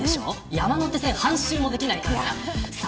山手線半周もできないからさ